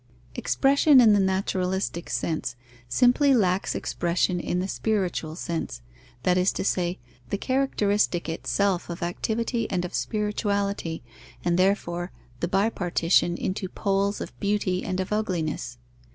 Expression in the naturalistic sense simply lacks expression in the spiritual sense, that is to say, the characteristic itself of activity and of spirituality, and therefore the bipartition into poles of beauty and of ugliness.